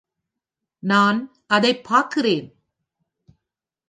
நான் அதைப் பார்க்கிறேன்!